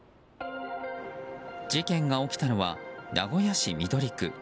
事件が起きたのは名古屋市緑区。